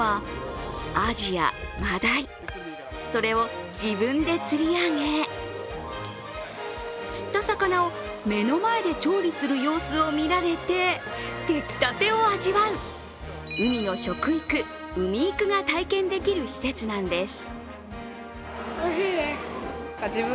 それを自分で釣り上げ、釣った魚を目の前で調理する様子を見られて、出来たてを味わう海の食育、海育が体験できる施設なんです。